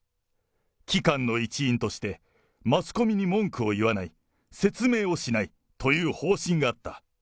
機関の一員として、マスコミに文句を言わない、説明をしないという方針があった。